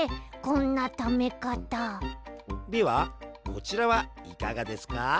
ではこちらはいかがですか？